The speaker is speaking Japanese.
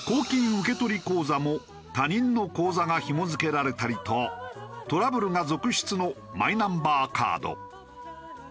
受け取り口座も他人の口座がひも付けられたりとトラブルが続出のマイナンバーカード。